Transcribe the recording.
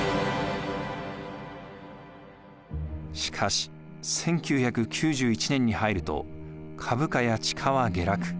しかし１９９１年に入ると株価や地価は下落。